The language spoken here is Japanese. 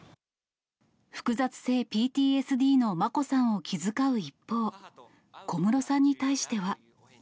複雑性ＰＴＳＤの眞子さんを気遣う一方、小室さんに対しては。